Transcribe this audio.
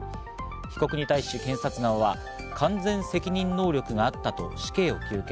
被告に対し検察側は完全責任能力があったと死刑を求刑。